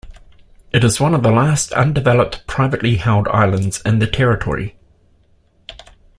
It is one of the last undeveloped privately held islands in the Territory.